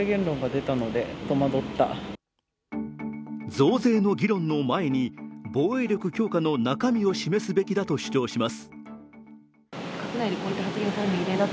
増税の議論の前に、防衛力強化の中身を示すべきだと主張します。